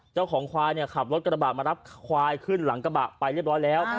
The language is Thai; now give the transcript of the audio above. เจ้าของควายเนี่ยขับรถกระบะมารับควายขึ้นหลังกระบะไปเรียบร้อยแล้ว